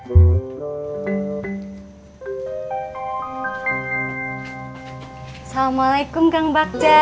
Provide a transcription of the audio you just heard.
assalamualaikum kang bakja